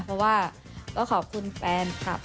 เพราะว่าขอบคุณแฟนพรรดิ